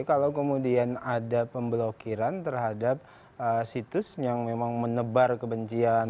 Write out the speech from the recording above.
kalau kemudian ada pemblokiran terhadap situs yang memang menebar kebencian